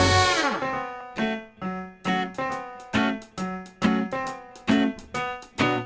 ทำมาเลยต่ำเลย